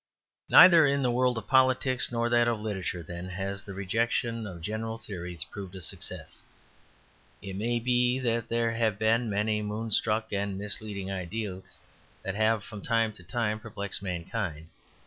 Neither in the world of politics nor that of literature, then, has the rejection of general theories proved a success. It may be that there have been many moonstruck and misleading ideals that have from time to time perplexed mankind.